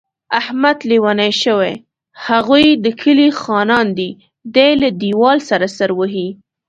احمد لېونی شوی، هغوی د کلي خانان دي. دی له دېوال سره سر وهي.